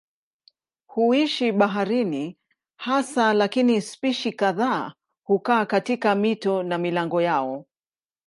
Huishi baharini hasa lakini spishi kadhaa hukaa katika mito na milango yao.